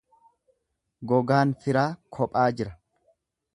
Gogaan firaa kophaa jira.